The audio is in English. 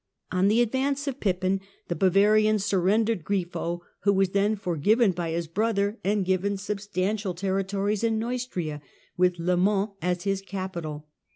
On the advance of Pippin the Bavarians jurrendered Grifo, who was then forgiven by his brother uid given substantial territories in Neustria, with Le Vlans as his capital.